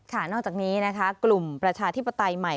ค่ะนอกจากนี้กลุ่มประชาธิปไต่ใหม่